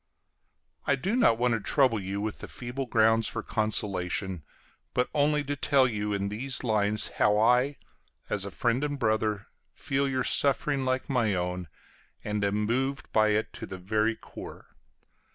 I do not want to trouble you with feeble grounds for consolation, but only to tell you in these lines how I, as friend and brother, feel your suffering like my own, and am moved by it to the very core.